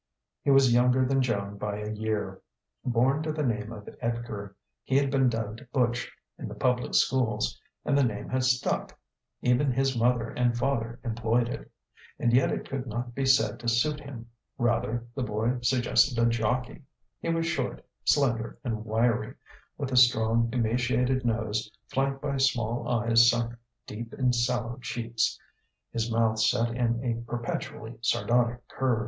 He was younger than Joan by a year. Born to the name of Edgar, he had been dubbed Butch in the public schools, and the name had stuck; even his mother and father employed it. And yet it could not be said to suit him; rather, the boy suggested a jocky. He was short, slender, and wiry; with a strong, emaciated nose flanked by small eyes sunk deep in sallow cheeks his mouth set in a perpetually sardonic curve.